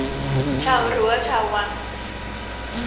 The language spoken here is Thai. ชาวรั้วชาววัง